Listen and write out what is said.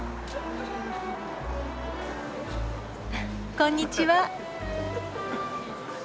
こんにちは。